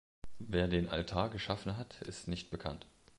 Wer den Altar geschaffen hat, ist nicht bekannt.